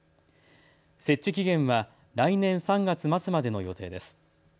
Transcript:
設置期限は来年３月末までの予定です。